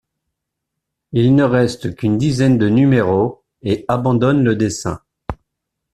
Il ne reste qu'une dizaine de numéros et abandonne le dessin.